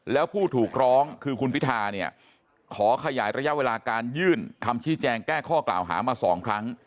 แล้วผู้ถูกร้องคือคุณพิธาเนี่ยขอขยายระยะเวลาการยื่นคำชี้แจงแก้ข้อกล่าวหามา๒ครั้ง